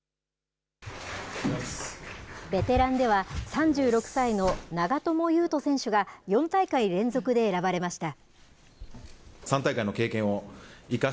ベテランでは、３６歳の長友佑都選手が４大会連続で選ばれました。